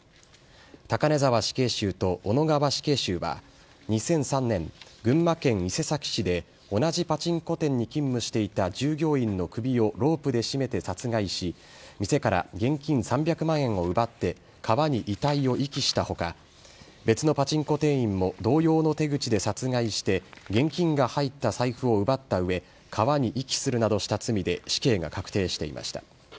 高根沢死刑囚と小野川死刑囚は、２００３年、群馬県伊勢崎市で同じパチンコ店に勤務していた従業員の首をロープで絞めて殺害し、店から現金３００万円を奪って、川に遺体を遺棄したほか、別のパチンコ店員も同様の手口で殺害して、現金が入った財布を奪ったうえ、川に遺棄するなどした罪で死刑が確定していました。